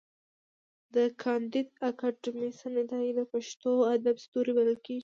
کانديد اکاډميسن عطايي د پښتو ادب ستوری بلل کېږي.